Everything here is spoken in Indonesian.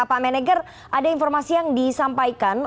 pak meneger ada informasi yang disampaikan